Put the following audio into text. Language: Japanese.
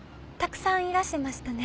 たくさんいらしてましたね。